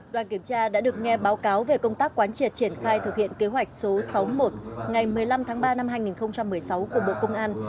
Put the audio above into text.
đoàn kiểm tra đã được nghe báo cáo về công tác quán triệt triển khai thực hiện kế hoạch số sáu mươi một ngày một mươi năm tháng ba năm hai nghìn một mươi sáu của bộ công an